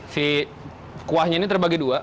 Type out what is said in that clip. si kuahnya ini terbagi dua